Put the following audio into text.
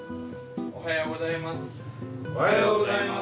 おはようございます。